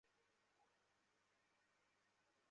এই তামাক গাছগুলো কোকো খেতের মধ্যখানে চাষ করা হয়।